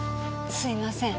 すいません